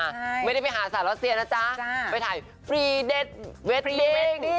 ใช่ไม่ได้ไปหาสาวรัสเซียนะจ๊ะไปถ่ายฟรีเด็ดเวดดิ้ง